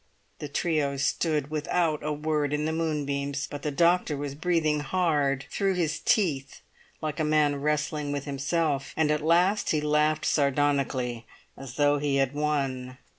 The trio stood without a word in the moonbeams; but the doctor was breathing hard through his teeth, like a man wrestling with himself; and at last he laughed sardonically as though he had won.